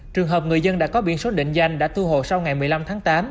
trường hợp người dân đã có biển số định danh đã thu hồ sau ngày một mươi năm tháng tám